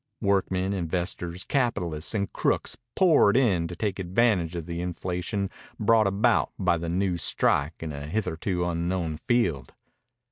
Workmen, investors, capitalists, and crooks poured in to take advantage of the inflation brought about by the new strike in a hitherto unknown field.